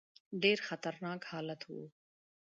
ډېر خطرناک حالت وو.